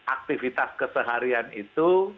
aktivitas keseharian itu